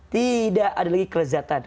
tidak ada lagi kelezatan